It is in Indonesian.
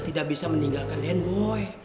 tidak bisa meninggalkan den boy